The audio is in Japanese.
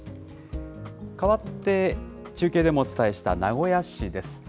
かわって、中継でもお伝えした名古屋市です。